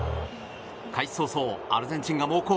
開始早々アルゼンチンが猛攻。